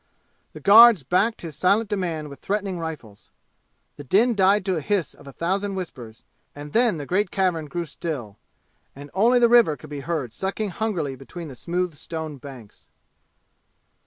The guards backed his silent demand with threatening rifles. The din died to a hiss of a thousand whispers, and then the great cavern grew still, and only the river could be heard sucking hungrily between the smooth stone banks.